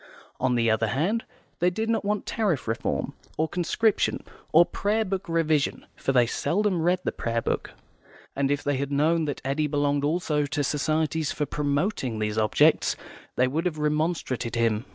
On the other hand, they did not want Tariff Reform, or Conscription, or Prayer Book Revision (for they seldom read the Prayer Book), and if they had known that Eddy belonged also to societies for promoting these objects, they would have remonstrated with him.